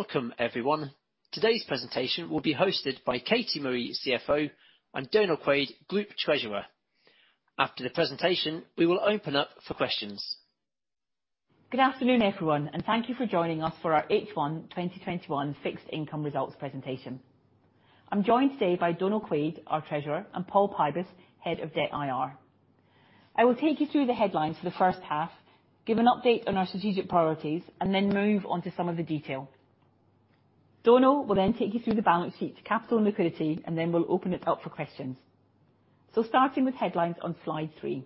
Welcome, everyone. Today's presentation will be hosted by Katie Murray, CFO, and Donal Quaid, Group Treasurer. After the presentation, we will open up for questions. Good afternoon, everyone, and thank you for joining us for our H1 2021 Fixed Income Results presentation. I'm joined today by Donal Quaid, our Treasurer, and Paul Pybus, Head of Debt IR. I will take you through the headlines for the first half, give an update on our strategic priorities, and then move on to some of the detail. Donal will take you through the balance sheet to capital and liquidity, and then we'll open it up for questions. Starting with headlines on slide three.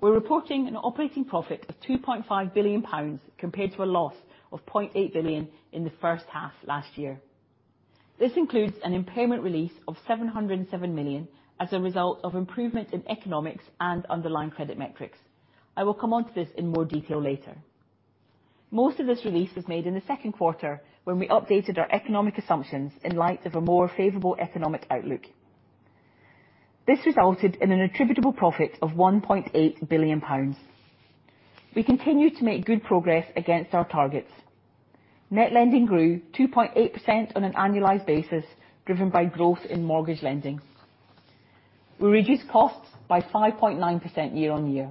We're reporting an operating profit of 2.5 billion pounds, compared to a loss of 0.8 billion in the first half last year. This includes an impairment release of 707 million as a result of improvement in economics and underlying credit metrics. I will come onto this in more detail later. Most of this release was made in the second quarter, when we updated our economic assumptions in light of a more favorable economic outlook. This resulted in an attributable profit of 1.8 billion pounds. We continue to make good progress against our targets. Net lending grew 2.8% on an annualized basis, driven by growth in mortgage lending. We reduced costs by 5.9% year-over-year.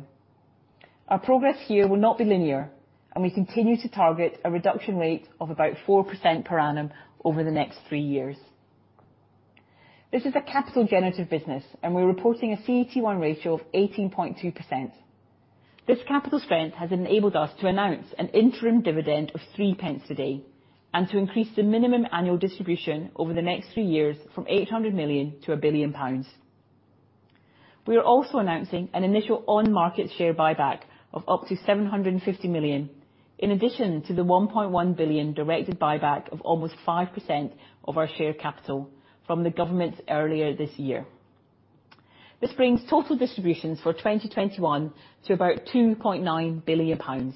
Our progress here will not be linear, and we continue to target a reduction rate of about 4% per annum over the next three years. This is a capital generative business, and we're reporting a CET1 ratio of 18.2%. This capital strength has enabled us to announce an interim dividend of 0.03 a day, and to increase the minimum annual distribution over the next three years from 800 million to 1 billion pounds. We are also announcing an initial on-market share buyback of up to 750 million, in addition to the 1.1 billion directed buyback of almost 5% of our share capital from the government earlier this year. This brings total distributions for 2021 to about 2.9 billion pounds.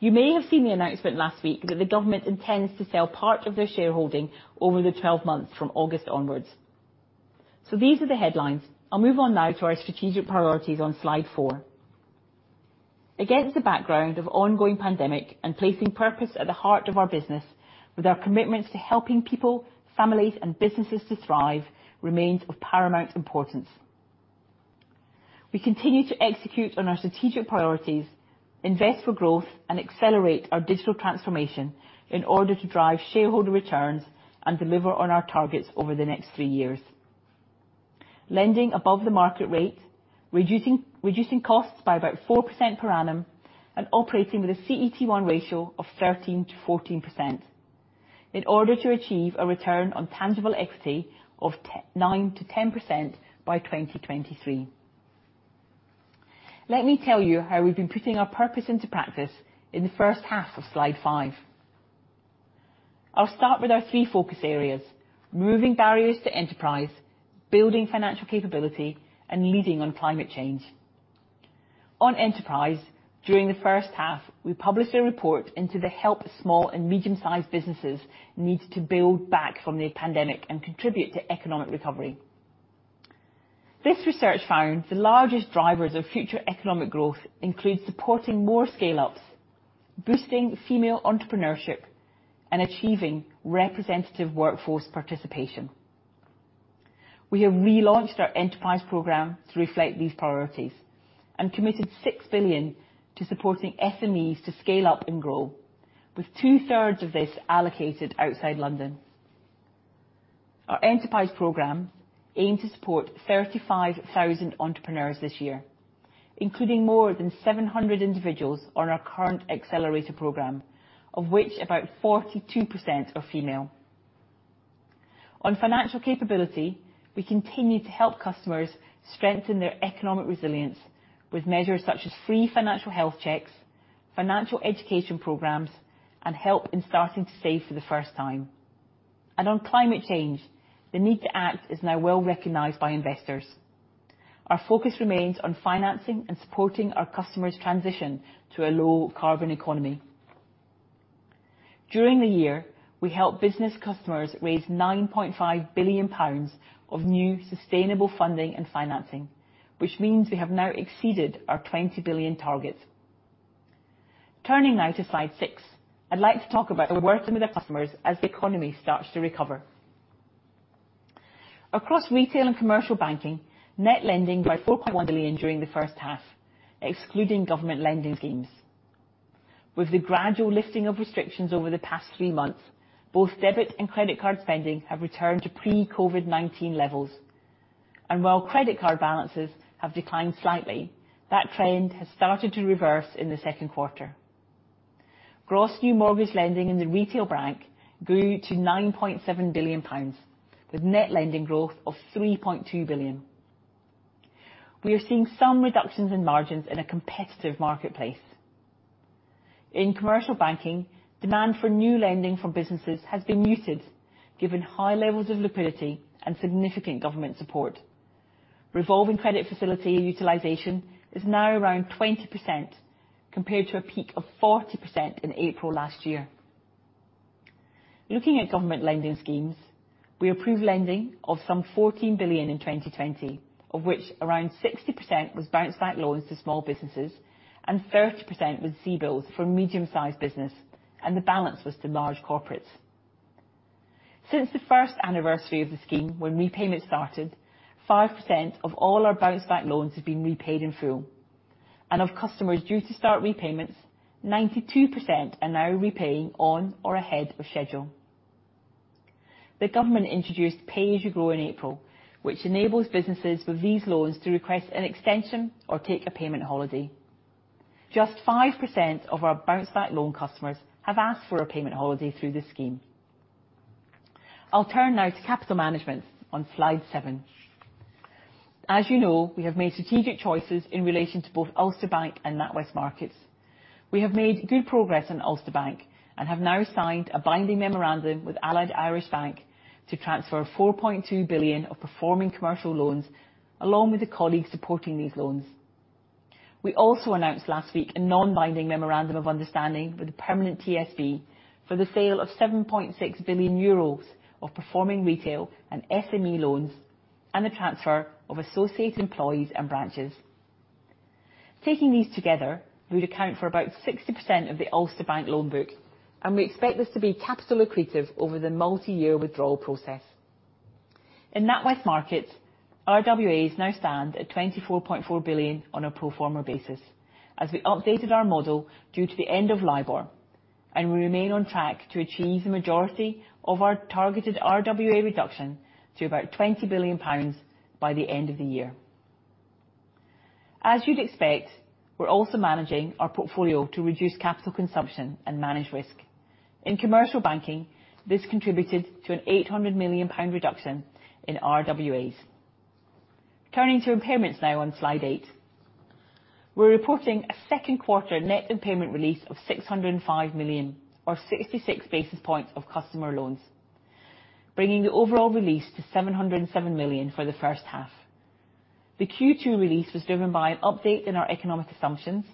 You may have seen the announcement last week that the government intends to sell part of their shareholding over the 12 months from August onwards. These are the headlines. I'll move on now to our strategic priorities on slide four. Against the background of ongoing pandemic and placing purpose at the heart of our business, with our commitments to helping people, families, and businesses to thrive remains of paramount importance. We continue to execute on our strategic priorities, invest for growth, and accelerate our digital transformation in order to drive shareholder returns and deliver on our targets over the next three years. Lending above the market rate, reducing costs by about 4% per annum and operating with a CET1 ratio of 13%-14%, in order to achieve a return on tangible equity of 9%-10% by 2023. Let me tell you how we've been putting our purpose into practice in the first half of slide five. I'll start with our three focus areas, removing barriers to enterprise, building financial capability, leading on climate change. On enterprise, during the first half, we published a report into the help small and medium-sized businesses need to build back from the pandemic and contribute to economic recovery. This research found the largest drivers of future economic growth include supporting more scale-ups, boosting female entrepreneurship, achieving representative workforce participation. We have relaunched our enterprise program to reflect these priorities and committed 6 billion to supporting SMEs to scale up and grow, with two-thirds of this allocated outside London. Our enterprise program aimed to support 35,000 entrepreneurs this year, including more than 700 individuals on our current accelerator program, of which about 42% are female. On financial capability, we continue to help customers strengthen their economic resilience with measures such as free financial health checks, financial education programs, and help in starting to save for the first time. On climate change, the need to act is now well recognized by investors. Our focus remains on financing and supporting our customers' transition to a low carbon economy. During the year, we helped business customers raise 9.5 billion pounds of new sustainable funding and financing, which means we have now exceeded our 20 billion target. Turning now to slide six, I'd like to talk about how we're working with our customers as the economy starts to recover. Across retail and commercial banking, net lending by 4.1 billion during the first half, excluding government lending schemes. With the gradual lifting of restrictions over the past three months, both debit and credit card spending have returned to pre-COVID-19 levels. While credit card balances have declined slightly, that trend has started to reverse in the second quarter. Gross new mortgage lending in the retail bank grew to 9.7 billion pounds, with net lending growth of 3.2 billion. We are seeing some reductions in margins in a competitive marketplace. In commercial banking, demand for new lending from businesses has been muted, given high levels of liquidity and significant government support. Revolving credit facility utilization is now around 20%, compared to a peak of 40% in April last year. Looking at government lending schemes, we approved lending of some 14 billion in 2020, of which around 60% was Bounce Back Loans to small businesses and 30% was CBILS for medium-sized business. The balance was to large corporates. Since the first anniversary of the scheme, when repayments started, 5% of all our Bounce Back Loans have been repaid in full. Of customers due to start repayments, 92% are now repaying on or ahead of schedule. The government introduced Pay as You Grow in April, which enables businesses with these loans to request an extension or take a payment holiday. Just 5% of our Bounce Back Loan customers have asked for a payment holiday through this scheme. I'll turn now to capital management on slide seven. As you know, we have made strategic choices in relation to both Ulster Bank and NatWest Markets. We have made good progress on Ulster Bank and have now signed a binding memorandum with Allied Irish Banks to transfer 4.2 billion of performing commercial loans, along with the colleagues supporting these loans. We also announced last week a non-binding memorandum of understanding with Permanent TSB for the sale of 7.6 billion euros of performing retail and SME loans and the transfer of associate employees and branches. Taking these together would account for about 60% of the Ulster Bank loan book, and we expect this to be capital accretive over the multiyear withdrawal process. In NatWest Markets, RWAs now stand at 24.4 billion on a pro forma basis, as we updated our model due to the end of LIBOR. We remain on track to achieve the majority of our targeted RWA reduction to about 20 billion pounds by the end of the year. As you'd expect, we're also managing our portfolio to reduce capital consumption and manage risk. In commercial banking, this contributed to an 800 million pound reduction in RWAs. Turning to impairments now on slide eight. We're reporting a second quarter net impairment release of 605 million or 66 basis points of customer loans, bringing the overall release to 707 million for the first half. The Q2 release was driven by an update in our economic assumptions,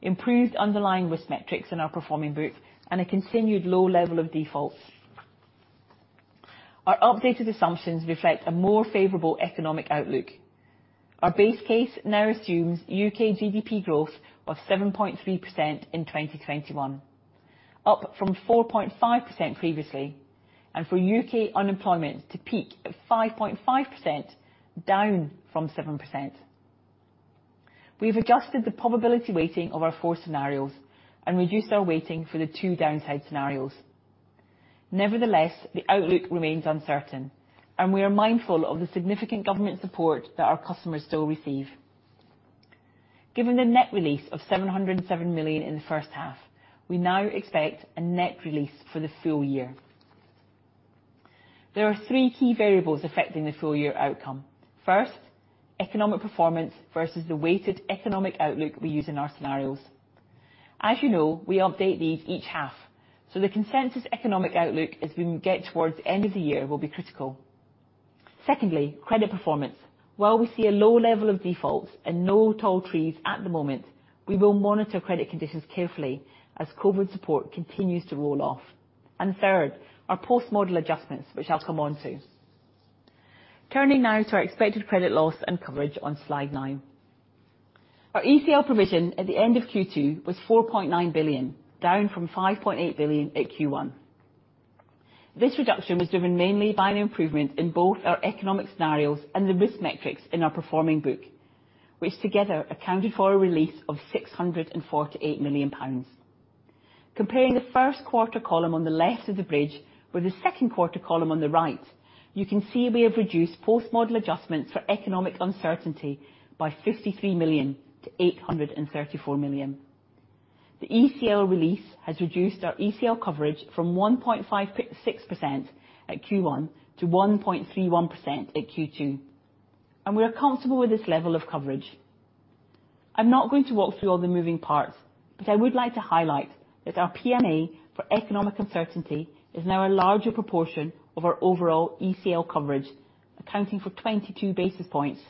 improved underlying risk metrics in our performing book, a continued low level of defaults. Our updated assumptions reflect a more favorable economic outlook. Our base case now assumes U.K. GDP growth of 7.3% in 2021, up from 4.5% previously, and for U.K. unemployment to peak at 5.5%, down from 7%. We have adjusted the probability weighting of our four scenarios and reduced our weighting for the two downside scenarios. Nevertheless, the outlook remains uncertain, and we are mindful of the significant government support that our customers still receive. Given the net release of 707 million in the first half, we now expect a net release for the full year. There are three key variables affecting the full-year outcome. First, economic performance versus the weighted economic outlook we use in our scenarios. As you know, we update these each half, so the consensus economic outlook as we get towards the end of the year will be critical. Secondly, credit performance. While we see a low level of defaults and no tall trees at the moment, we will monitor credit conditions carefully as COVID support continues to roll off and third, our post-model adjustments, which I'll come on to. Turning now to our expected credit loss and coverage on slide nine. Our ECL provision at the end of Q2 was 4.9 billion, down from 5.8 billion at Q1. This reduction was driven mainly by an improvement in both our economic scenarios and the risk metrics in our performing book, which together accounted for a release of 648 million pounds. Comparing the first quarter column on the left of the bridge with the second quarter column on the right, you can see we have reduced post-model adjustments for economic uncertainty by 53 million to 834 million. The ECL release has reduced our ECL coverage from 1.56% at Q1 to 1.31% at Q2, and we are comfortable with this level of coverage. I'm not going to walk through all the moving parts, but I would like to highlight that our PMA for economic uncertainty is now a larger proportion of our overall ECL coverage, accounting for 22 basis points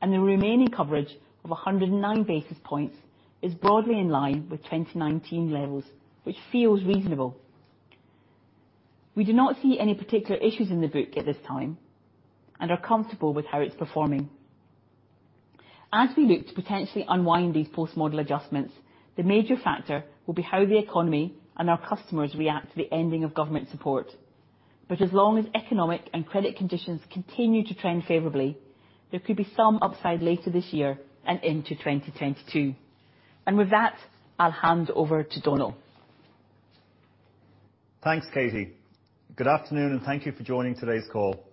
and the remaining coverage of 109 basis points is broadly in line with 2019 levels, which feels reasonable. We do not see any particular issues in the book at this time and are comfortable with how it's performing. As we look to potentially unwind these post-model adjustments, the major factor will be how the economy and our customers react to the ending of government support. As long as economic and credit conditions continue to trend favorably, there could be some upside later this year and into 2022. With that, I'll hand over to Donal. Thanks, Katie. Good afternoon, and thank you for joining today's call.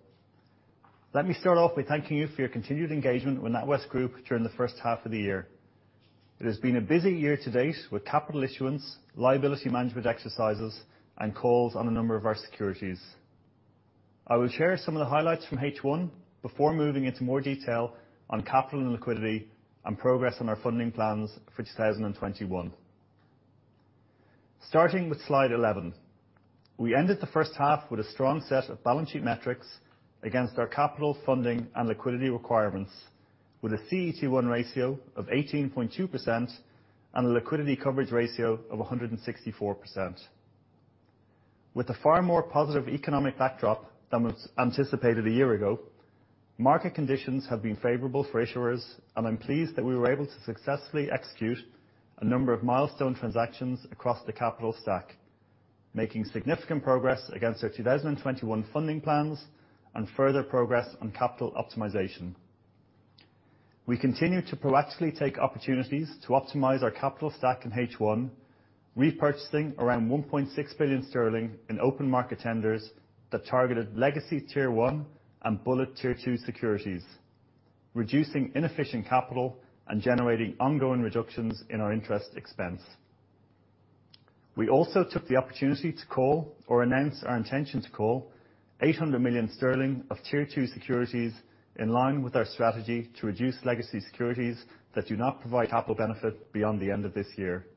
Let me start off by thanking you for your continued engagement with NatWest Group during the first half of the year. It has been a busy year to date with capital issuance, liability management exercises, and calls on a number of our securities. I will share some of the highlights from H1 before moving into more detail on capital and liquidity and progress on our funding plans for 2021. Starting with slide 11. We ended the first half with a strong set of balance sheet metrics against our capital funding and liquidity requirements. With a CET1 ratio of 18.2% and a liquidity coverage ratio of 164%. With a far more positive economic backdrop than was anticipated one year ago, market conditions have been favorable for issuers. I'm pleased that we were able to successfully execute a number of milestone transactions across the capital stack, making significant progress against our 2021 funding plans, further progress on capital optimization. We continue to proactively take opportunities to optimize our capital stack in H1, repurchasing around 1.6 billion sterling in open market tenders that targeted legacy Tier 1 and bullet Tier 2 securities, reducing inefficient capital and generating ongoing reductions in our interest expense. We also took the opportunity to call or announce our intention to call 800 million sterling of Tier 2 securities, in line with our strategy to reduce legacy securities that do not provide capital benefit beyond the end of this year.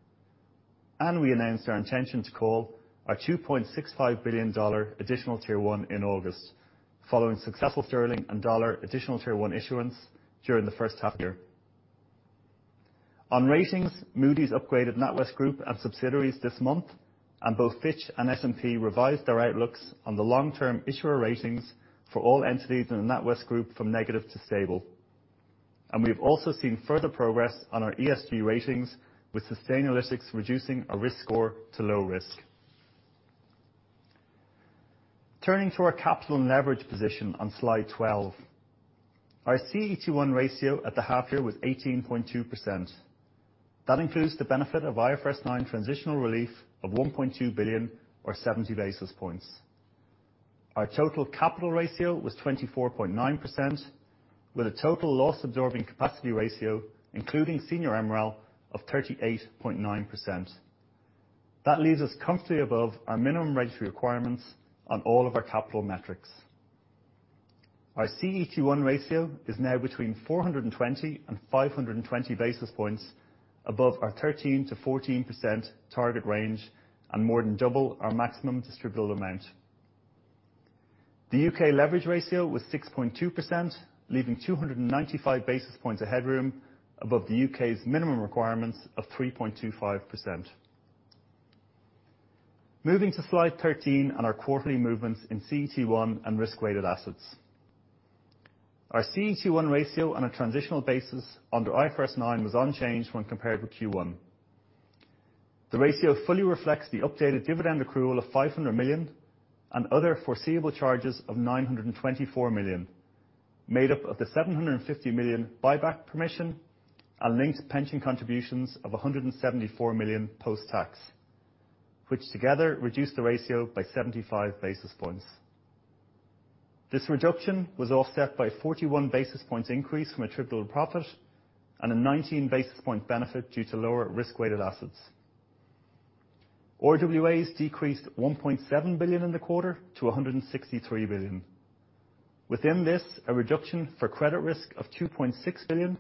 We announced our intention to call our $2.65 billion additional Tier 1 in August, following successful sterling and dollar additional Tier 1 issuance during the first half year. On ratings, Moody's upgraded NatWest Group and subsidiaries this month. Both Fitch and S&P revised their outlooks on the long-term issuer ratings for all entities in the NatWest Group from negative to stable. We've also seen further progress on our ESG ratings, with Sustainalytics reducing our risk score to low risk. Turning to our capital and leverage position on slide 12. Our CET1 ratio at the half year was 18.2%. That includes the benefit of IFRS 9 transitional relief of 1.2 billion or 70 basis points. Our total capital ratio was 24.9%, with a total loss absorbing capacity ratio, including senior MREL, of 38.9%. That leaves us comfortably above our minimum regulatory requirements on all of our capital metrics. Our CET1 ratio is now between 420 and 520 basis points above our 13%-14% target range and more than double our maximum distributable amount. The U.K. leverage ratio was 6.2%, leaving 295 basis points of headroom above the U.K.'s minimum requirements of 3.25%. Moving to slide 13 on our quarterly movements in CET1 and risk-weighted assets. Our CET1 ratio on a transitional basis under IFRS 9 was unchanged when compared with Q1. The ratio fully reflects the updated dividend accrual of 500 million and other foreseeable charges of 924 million, made up of the 750 million buyback permission and linked pension contributions of 174 million post-tax, which together reduced the ratio by 75 basis points. This reduction was offset by a 41-basis-points increase from attributable profit and a 19-basis-point benefit due to lower risk-weighted assets. RWAs decreased 1.7 billion in the quarter to 163 billion. Within this, a reduction for credit risk of 2.6 billion,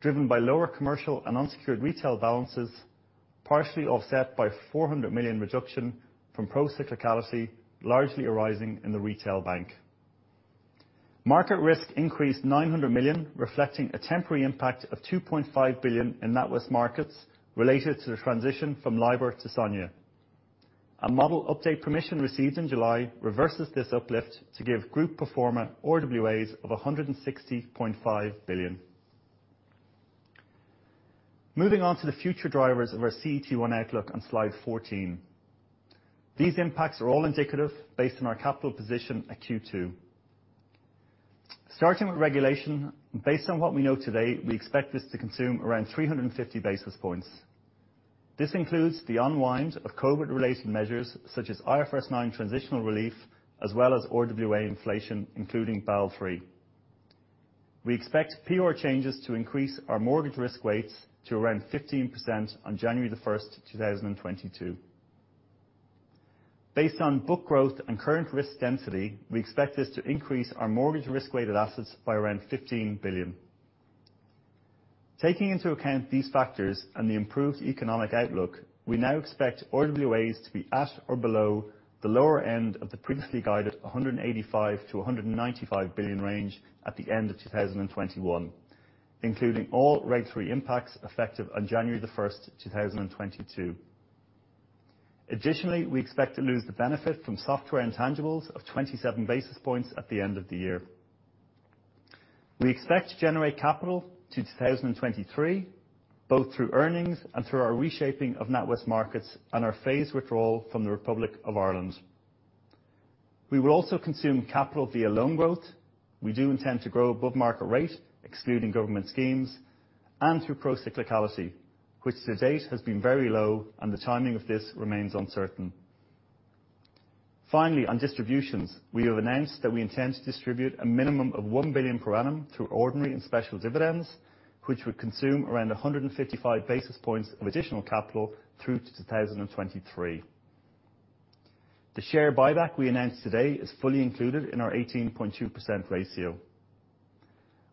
driven by lower commercial and unsecured retail balances, partially offset by 400 million reduction from procyclicality, largely arising in the retail bank. Market risk increased 900 million, reflecting a temporary impact of 2.5 billion in NatWest Markets, related to the transition from LIBOR to SONIA. A model update permission received in July reverses this uplift to give group proforma RWAs of 160.5 billion. Moving on to the future drivers of our CET1 outlook on slide 14. These impacts are all indicative, based on our capital position at Q2. Starting with regulation, based on what we know today, we expect this to consume around 350 basis points. This includes the unwind of COVID-related measures such as IFRS 9 transitional relief as well as RWA inflation, including Basel III. We expect PRA changes to increase our mortgage risk weights to around 15% on January 1, 2022. Based on book growth and current risk density, we expect this to increase our mortgage risk-weighted assets by around 15 billion. Taking into account these factors and the improved economic outlook, we now expect RWAs to be at or below the lower end of the previously guided 185 billion-195 billion range at the end of 2021, including all regulatory impacts effective on January 1, 2022. Additionally, we expect to lose the benefit from software intangibles of 27 basis points at the end of the year. We expect to generate capital to 2023, both through earnings and through our reshaping of NatWest Markets and our phased withdrawal from the Republic of Ireland. We will also consume capital via loan growth. We do intend to grow above market rate, excluding government schemes, and through procyclicality, which to date has been very low, and the timing of this remains uncertain. Finally, on distributions, we have announced that we intend to distribute a minimum of 1 billion per annum through ordinary and special dividends, which would consume around 155 basis points of additional capital through to 2023. The share buyback we announced today is fully included in our 18.2% ratio.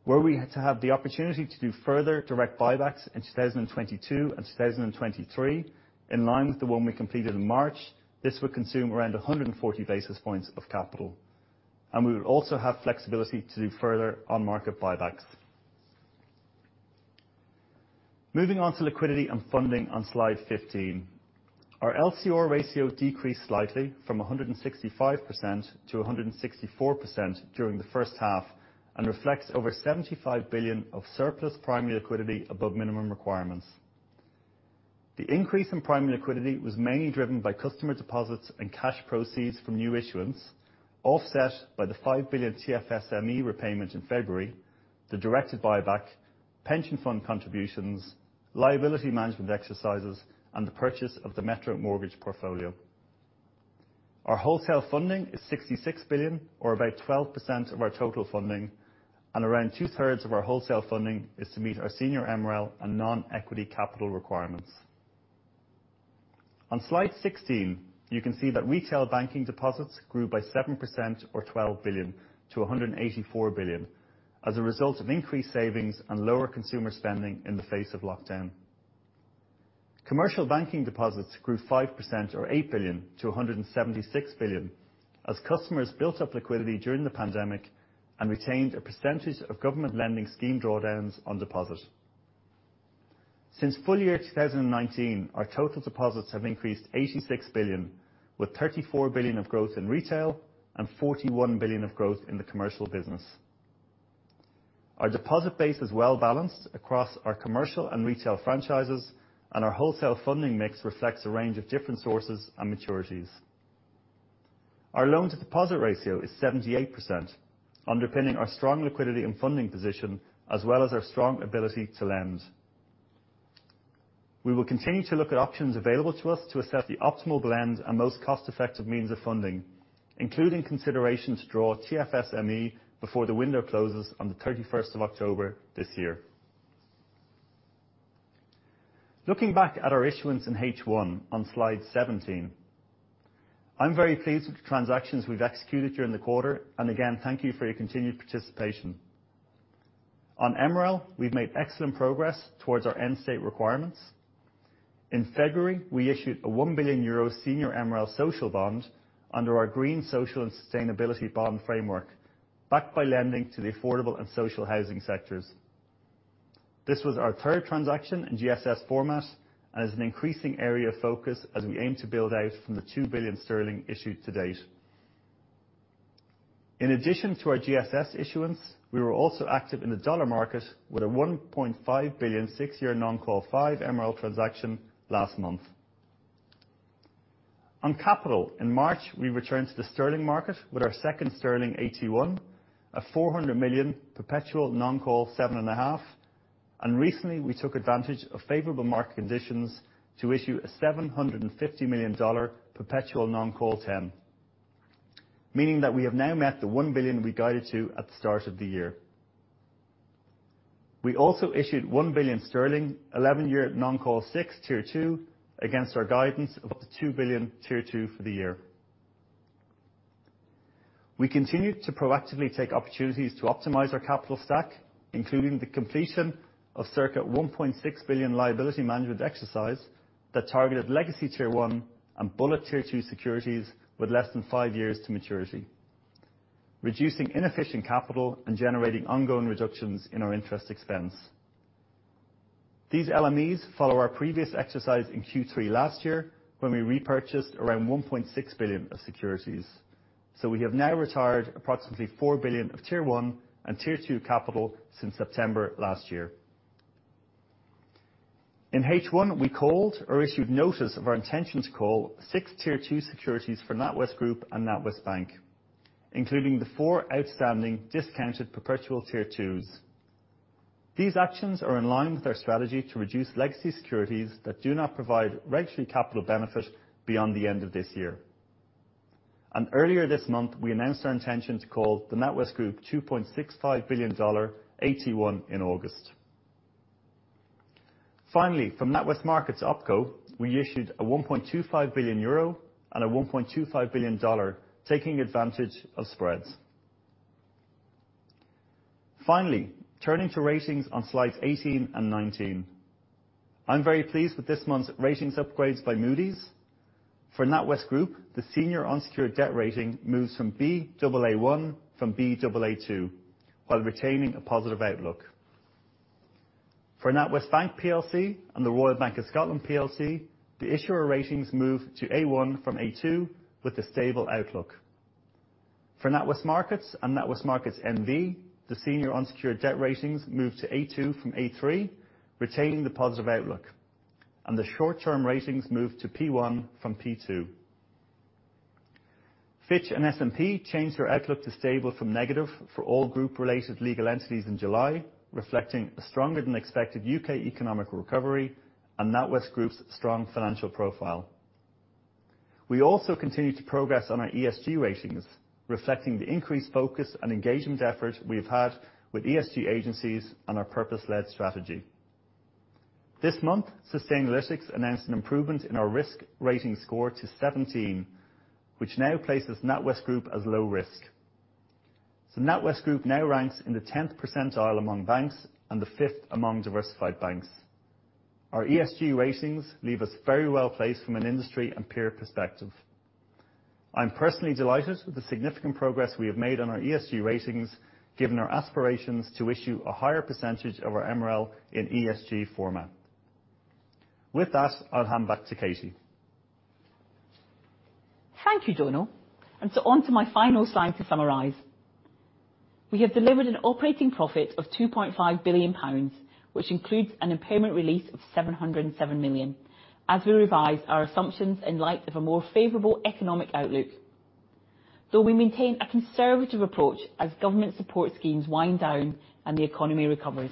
Were we to have the opportunity to do further direct buybacks in 2022 and 2023, in line with the one we completed in March, this would consume around 140 basis points of capital. We would also have flexibility to do further on-market buybacks. Moving on to liquidity and funding on slide 15. Our LCR ratio decreased slightly from 165%-164% during the first half, and reflects over 75 billion of surplus primary liquidity above minimum requirements. The increase in primary liquidity was mainly driven by customer deposits and cash proceeds from new issuance, offset by the 5 billion TFSME repayment in February, the directed buyback, pension fund contributions, liability management exercises, and the purchase of the Metro Bank mortgage portfolio. Our wholesale funding is 66 billion or about 12% of our total funding, and around 2/3 of our wholesale funding is to meet our senior MREL and non-equity capital requirements. On slide 16, you can see that retail banking deposits grew by 7% or 12 billion-184 billion as a result of increased savings and lower consumer spending in the face of lockdown. Commercial banking deposits grew 5% or 8 billion-176 billion as customers built up liquidity during the pandemic and retained a percentage of government lending scheme drawdowns on deposit. Since full year 2019, our total deposits have increased 86 billion, with 34 billion of growth in retail and 41 billion of growth in the commercial business. Our deposit base is well-balanced across our commercial and retail franchises, and our wholesale funding mix reflects a range of different sources and maturities. Our loan-to-deposit ratio is 78%, underpinning our strong liquidity and funding position, as well as our strong ability to lend. We will continue to look at options available to us to assess the optimal blend and most cost-effective means of funding, including consideration to draw TFSME before the window closes on the 31st of October this year. Looking back at our issuance in H1 on slide 17, I'm very pleased with the transactions we've executed during the quarter. Again, thank you for your continued participation. On MREL, we've made excellent progress towards our end state requirements. In February, we issued a 1 billion euro senior MREL social bond under our Green, Social and Sustainability Bond Framework, backed by lending to the affordable and social housing sectors. This was our third transaction in GSS format, and is an increasing area of focus as we aim to build out from the 2 billion sterling issued to date. In addition to our GSS issuance, we were also active in the dollar market with a $1.5 billion six-year non-call five MREL transaction last month. On capital, in March, we returned to the sterling market with our second sterling AT1, a 400 million perpetual non-call 7.5, and recently we took advantage of favorable market conditions to issue a $750 million perpetual non-call 10, meaning that we have now met the 1 billion we guided to at the start of the year. We also issued 1 billion sterling 11-year non-call six Tier 2 against our guidance of up to 2 billion Tier 2 for the year. We continued to proactively take opportunities to optimize our capital stack, including the completion of circa 1.6 billion liability management exercise that targeted legacy Tier 1 and bullet Tier 2 securities with less than five years to maturity, reducing inefficient capital and generating ongoing reductions in our interest expense. These LMEs follow our previous exercise in Q3 last year, when we repurchased around 1.6 billion of securities. We have now retired approximately 4 billion of Tier 1 and Tier 2 capital since September last year. In H1, we called or issued notice of our intention to call six Tier 2 securities for NatWest Group and NatWest Bank, including the four outstanding discounted perpetual Tier 2s. These actions are in line with our strategy to reduce legacy securities that do not provide regulatory capital benefit beyond the end of this year. Earlier this month, we announced our intention to call the NatWest Group 2.65 billion dollar AT1 in August. Finally from NatWest Markets OpCo, we issued a 1.25 billion euro and a $1.25 billion, taking advantage of spreads. Turning to ratings on slides 18 and 19. I'm very pleased with this month's ratings upgrades by Moody's. For NatWest Group, the senior unsecured debt rating moves from Baa1 from Baa2, while retaining a positive outlook. For National Westminster Bank plc and the Royal Bank of Scotland plc, the issuer ratings move to A1 from A2 with a stable outlook. For NatWest Markets and NatWest Markets N.V., the senior unsecured debt ratings move to A2 from A3, retaining the positive outlook, and the short-term ratings move to P-1 from P-2. Fitch and S&P changed their outlook to stable from negative for all group-related legal entities in July, reflecting a stronger than expected U.K. economic recovery and NatWest Group's strong financial profile. We also continue to progress on our ESG ratings, reflecting the increased focus and engagement effort we have had with ESG agencies on our purpose-led strategy. This month, Sustainalytics announced an improvement in our risk rating score to 17, which now places NatWest Group as low risk. NatWest Group now ranks in the 10th percentile among banks and the fifth among diversified banks. Our ESG ratings leave us very well placed from an industry and peer perspective. I'm personally delighted with the significant progress we have made on our ESG ratings, given our aspirations to issue a higher percentage of our MREL in ESG format. With that, I'll hand back to Katie. Thank you, Donal. On to my final slide to summarize. We have delivered an operating profit of 2.5 billion pounds, which includes an impairment release of 707 million, as we revise our assumptions in light of a more favorable economic outlook. We maintain a conservative approach as government support schemes wind down and the economy recovers.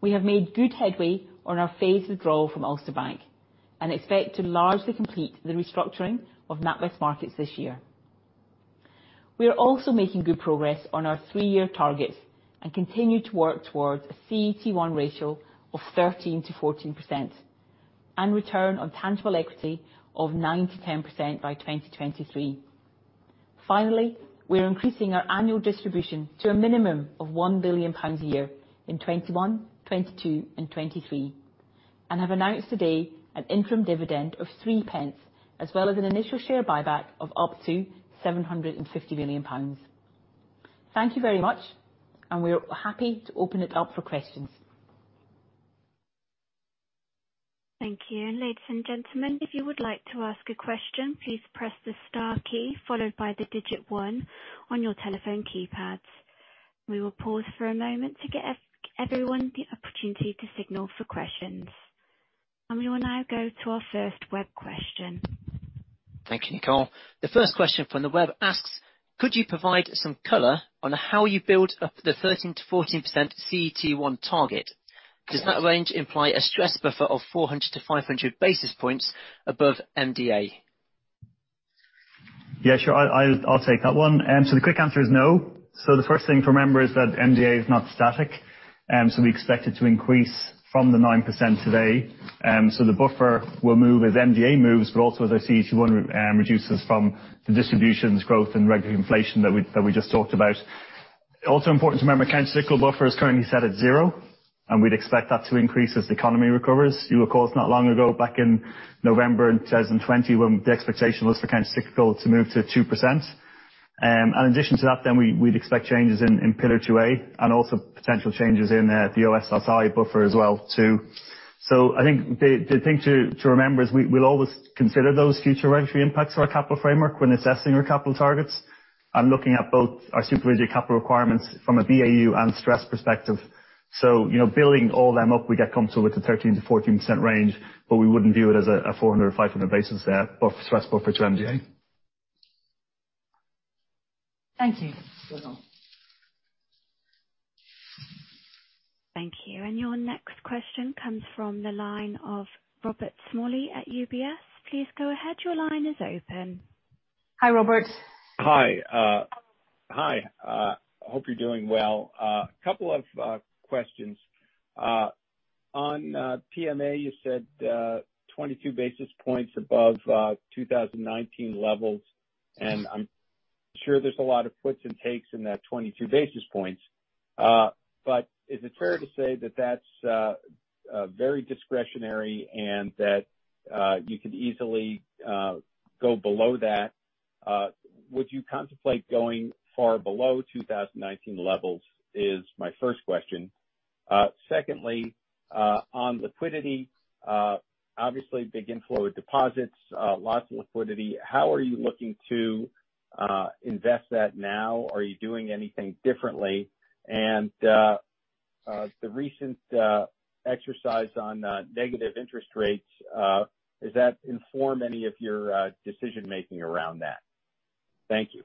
We have made good headway on our phased withdrawal from Ulster Bank, and expect to largely complete the restructuring of NatWest Markets this year. We are also making good progress on our three-year targets and continue to work towards a CET1 ratio of 13%-14%, and return on tangible equity of 9%-10% by 2023. Finally, we are increasing our annual distribution to a minimum of 1 billion pounds a year in 2021, 2022, and 2023, and have announced today an interim dividend of 0.03, as well as an initial share buyback of up to 750 million pounds. Thank you very much, and we're happy to open it up for questions. Thank you. Ladies and gentlemen, if you would like to ask a question, please press the star key, followed by the digit one on your telephone keypads. We will pause for a moment to give everyone the opportunity to signal for questions. We will now go to our first web question. Thank you, Nicole. The first question from the web asks: Could you provide some color on how you build up the 13%-14% CET1 target? Does that range imply a stress buffer of 400 to 500 basis points above MDA? Yeah, sure. I'll take that one. The quick answer is no. The first thing to remember is that MDA is not static, so we expect it to increase from the 9% today. The buffer will move as MDA moves, but also as our CET1 reduces from the distributions growth and regulatory inflation that we just talked about. Important to remember, countercyclical buffer is currently set at zero, and we'd expect that to increase as the economy recovers. You recall it's not long ago, back in November 2020, when the expectation was for countercyclical to move to 2%. In addition to that, we'd expect changes in Pillar 2A and also potential changes in the O-SII buffer as well, too. I think the thing to remember is we'll always consider those future regulatory impacts to our capital framework when assessing our capital targets and looking at both our supervisory capital requirements from a BAU and stress perspective. Building all them up, we get comfortable with the 13%-14% range, but we wouldn't view it as a 400 or 500 basis stress buffer to MDA. Thank you, Donal. Thank you. Your next question comes from the line of Robert Smalley at UBS. Please go ahead. Your line is open. Hi, Robert. Hi. Hope you're doing well. A couple of questions. On PMA, you said 22 basis points above 2019 levels, and I'm sure there's a lot of puts and takes in that 22 basis points. Is it fair to say that's very discretionary and that you could easily go below that? Would you contemplate going far below 2019 levels, is my first question. Secondly, on liquidity. Obviously, big inflow of deposits, lots of liquidity. How are you looking to invest that now? Are you doing anything differently? The recent exercise on negative interest rates, has that informed any of your decision making around that? Thank you.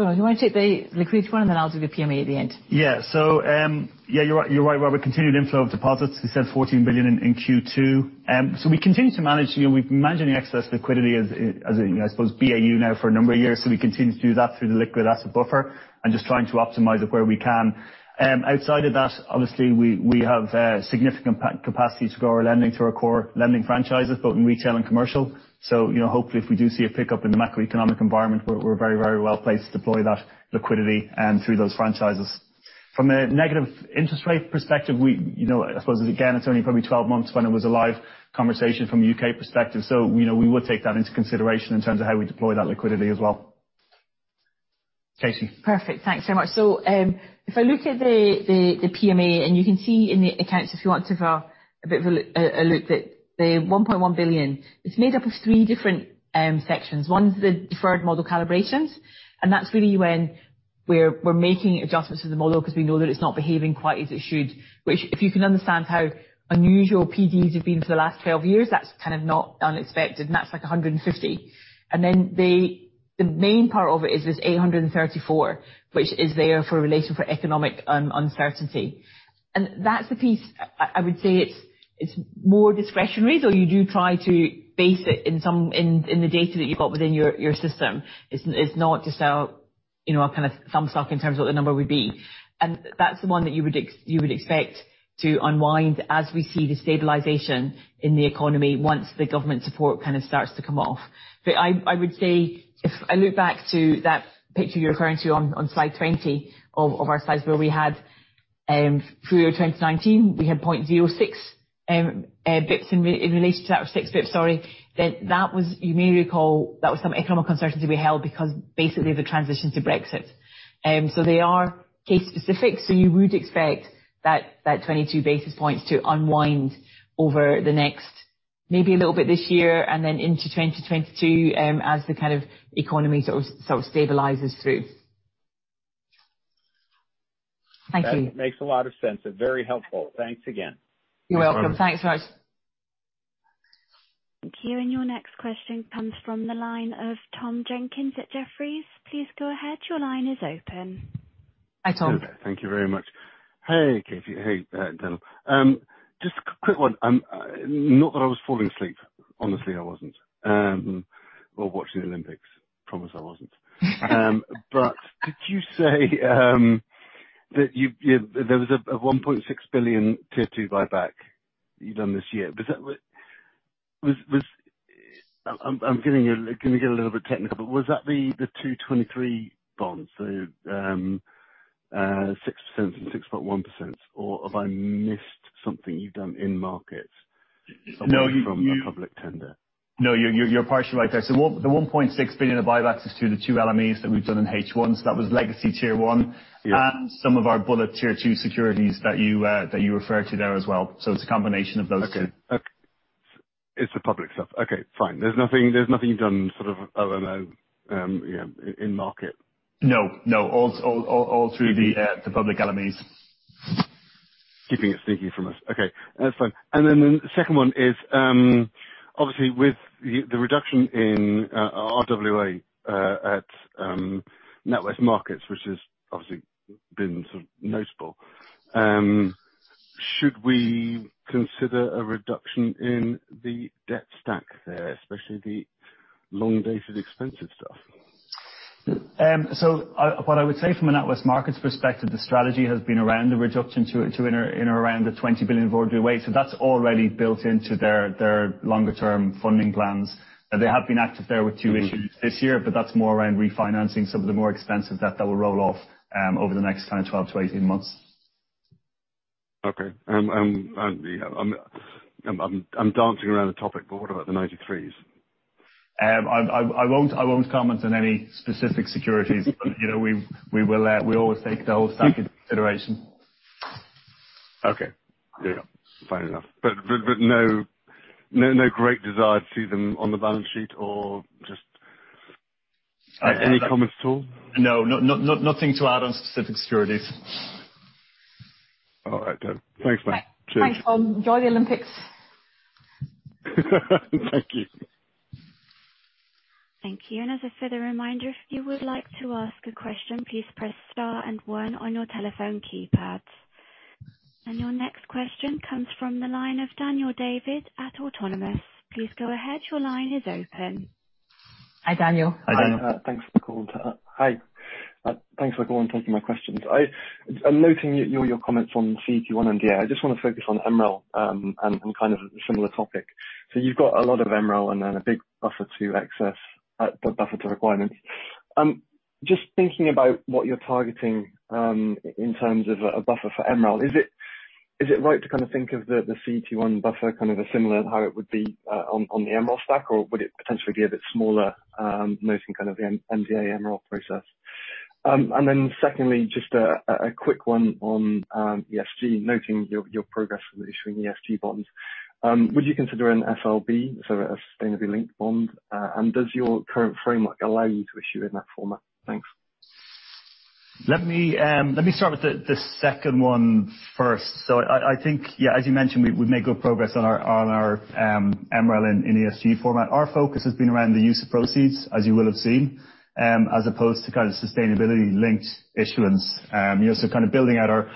Donal, you want to take the liquidity one, and then I'll do the PMA at the end. You're right, Robert. Continued inflow of deposits. We said 14 billion in Q2. We continue to manage. We've been managing excess liquidity as, I suppose, BAU now for a number of years. We continue to do that through the liquid asset buffer and just trying to optimize it where we can. Outside of that, obviously, we have significant capacity to grow our lending through our core lending franchises, both in retail and commercial. Hopefully, if we do see a pickup in the macroeconomic environment, we're very well placed to deploy that liquidity through those franchises. From a negative interest rate perspective, I suppose, again, it's only probably 12 months when it was a live conversation from a UK perspective. We will take that into consideration in terms of how we deploy that liquidity as well. Katie. Perfect. Thanks so much. If I look at the PMA, and you can see in the accounts if you want to have a bit of a look that the 1.1 billion is made up of three different sections. One is the deferred model calibrations, and that's really when we're making adjustments to the model because we know that it's not behaving quite as it should. Which, if you can understand how unusual PDs have been for the last 12 years, that's kind of not unexpected, and that's like 150. Then the main part of it is this 834, which is there for relating for economic uncertainty. That's the piece I would say it's more discretionary, though you do try to base it in the data that you've got within your system. It's not just our kind of thumb suck in terms of what the number would be. That's the one that you would expect to unwind as we see the stabilization in the economy once the government support kind of starts to come off. I would say if I look back to that picture you're referring to on slide 20 of our slides through 2019, we had 0.06 basis points. In relation to that, 6 basis points, sorry. You may recall, that was some economic uncertainty we held because basically the transition to Brexit. They are case specific, so you would expect that 22 basis points to unwind over the next, maybe a little bit this year and then into 2022 as the economy sort of stabilizes through. Thank you. That makes a lot of sense. Very helpful. Thanks again. You're welcome. [inaudible] Thank you. Your next question comes from the line of Tom Jenkins at Jefferies. Please go ahead. Your line is open. Hi, Tom. Thank you very much. Hey, Katie. Hey, Donal. Just a quick one. Not that I was falling asleep, honestly, I wasn't. Watching the Olympics, promise I wasn't. Did you say that there was a 1.6 billion Tier 2 buyback you've done this year? I'm going to get a little bit technical, was that the February 2023 bonds, so 6% and 6.1%, or have I missed something you've done in markets? No. away from a public tender? No, you're partially right there. The 1.6 billion of buybacks is to the two LMEs that we've done in H1. That was legacy Tier 1. Yeah. Some of our bullet Tier 2 securities that you referred to there as well. It's a combination of those two. Okay. It's the public stuff. Okay, fine. There's nothing done sort of, I don't know, in market. No. All through the public LMEs. Keeping it sneaky from us. Okay, that's fine. The second one is, obviously with the reduction in RWA at NatWest Markets, which has obviously been sort of notable, should we consider a reduction in the debt stack there, especially the long-dated, expensive stuff? What I would say from a NatWest Markets perspective, the strategy has been around a reduction to in around the 20 billion RWAs. That's already built into their longer term funding plans. They have been active there with two issues this year, but that's more around refinancing some of the more expensive debt that will roll off over the next kind of 12-18 months. Okay. I'm dancing around the topic, but what about the 93s? I won't comment on any specific securities. We always take the whole stack into consideration. Okay. There you go. Fair enough. No great desire to see them on the balance sheet or just any comments at all? No, nothing to add on specific securities. All right, then. Thanks, mate. Cheers. Thanks, Tom. Enjoy the Olympics. Thank you. Thank you. As a further reminder, if you would like to ask a question, please press star and one on your telephone keypad. Your next question comes from the line of Daniel David at Autonomous. Please go ahead. Your line is open. Hi, Daniel. Hi, Daniel. Thanks for the call. Hi. Thanks for taking my questions. I'm noting your comments on CET1 and MDA. I just want to focus on MREL and kind of a similar topic. You've got a lot of MREL and then a big buffer to excess, buffer to requirements. Just thinking about what you're targeting, in terms of a buffer for MREL, is it right to kind of think of the CET1 buffer kind of similar to how it would be on the MREL stack, or would it potentially be a bit smaller, noting kind of the MDA MREL process? Secondly, just a quick one on ESG, noting your progress with issuing ESG bonds. Would you consider an SLB, so a sustainably linked bond? Does your current framework allow you to issue in that format? Thanks. Let me start with the second one first. I think, yeah, as you mentioned, we've made good progress on our MREL in ESG format. Our focus has been around the use of proceeds, as you will have seen, as opposed to kind of sustainability-linked issuance. Kind of building out our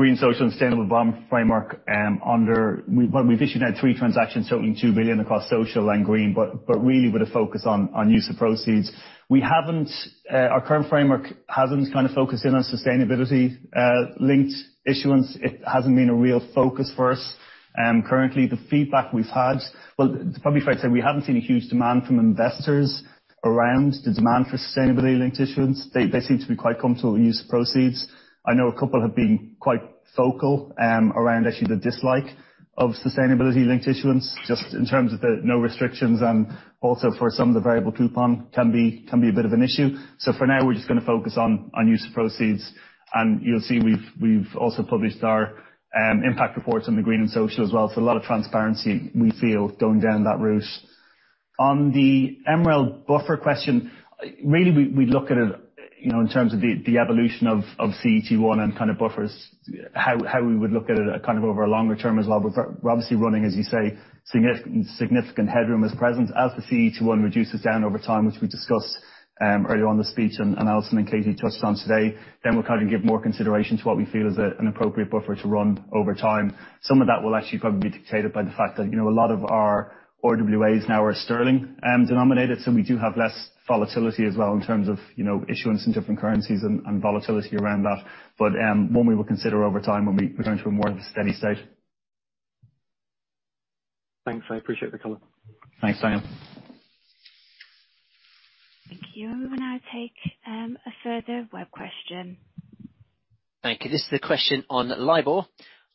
Green, Social and Sustainable Bond Framework under-- We've issued now three transactions totaling 2 billion across social and green, but really with a focus on use of proceeds. Our current framework hasn't kind of focused in on sustainability-linked issuance. It hasn't been a real focus for us. Currently, the feedback we've had-- Well, it's probably fair to say we haven't seen a huge demand from investors around the demand for sustainability-linked issuance. They seem to be quite comfortable with use of proceeds. I know a couple have been quite vocal around actually the dislike of sustainability-linked issuance, just in terms of the no restrictions and also for some of the variable coupon can be a bit of an issue. For now, we're just going to focus on use of proceeds. You'll see we've also published our impact reports on the green and social as well, a lot of transparency we feel going down that route. On the MREL buffer question, really, we look at it in terms of the evolution of CET1 and kind of buffers, how we would look at it kind of over a longer term as well. We're obviously running, as you say, significant headroom as present. As the CET1 reduces down over time, which we discussed earlier on the speech and announcements Katie touched on today, then we'll give more consideration to what we feel is an appropriate buffer to run over time. Some of that will actually probably be dictated by the fact that a lot of our RWAs now are Sterling denominated, so we do have less volatility as well in terms of issuance in different currencies and volatility around that. One we will consider over time when we turn to a more steady state. Thanks. I appreciate the color. Thanks, Daniel. Thank you. We'll now take a further web question. Thank you. This is a question on LIBOR.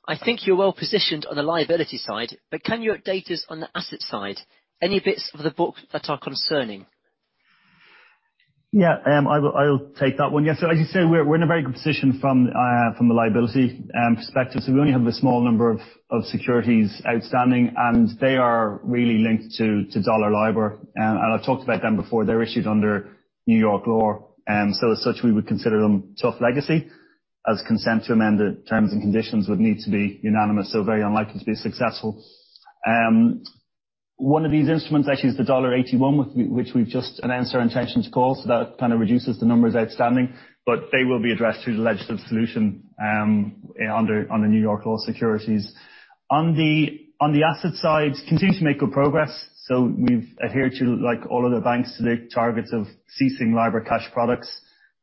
I think you're well positioned on the liability side. Can you update us on the asset side? Any bits of the book that are concerning? Yeah, I'll take that one. Yeah. As you say, we're in a very good position from a liability perspective. We only have a small number of securities outstanding, and they are really linked to dollar LIBOR. I've talked about them before. They're issued under New York law. As such, we would consider them tough legacy, as consent to amend the terms and conditions would need to be unanimous, so very unlikely to be successful. One of these instruments actually is the dollar AT1, which we've just announced our intention to call. That kind of reduces the numbers outstanding. They will be addressed through the legislative solution under New York law securities. On the asset side, continue to make good progress. We've adhered to, like all other banks, the targets of ceasing LIBOR cash products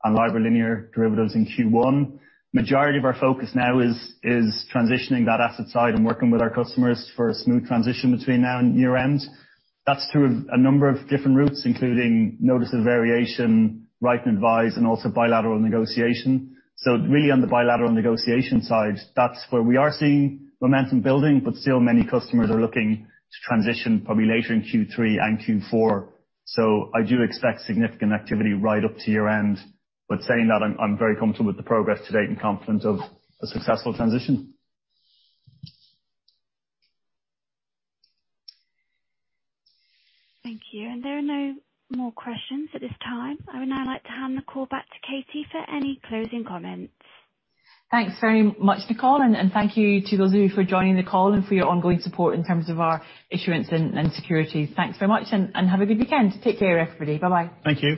and LIBOR linear derivatives in Q1. Majority of our focus now is transitioning that asset side and working with our customers for a smooth transition between now and year-end. That's through a number of different routes, including notice of variation, write and advise, and also bilateral negotiation. Really on the bilateral negotiation side, that's where we are seeing momentum building, but still many customers are looking to transition probably later in Q3 and Q4. I do expect significant activity right up to year-end. Saying that, I'm very comfortable with the progress to date and confident of a successful transition. Thank you. There are no more questions at this time. I would now like to hand the call back to Katie for any closing comments. Thanks very much, Nicole. Thank you to those of you for joining the call and for your ongoing support in terms of our issuance and securities. Thanks very much. Have a good weekend. Take care, everybody. Bye-bye. Thank you.